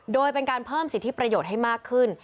โดยเป็นการเพิ่มสิทธิประโยชน์ให้มากขึ้น